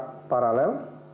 tim lainnya mengamankan hnd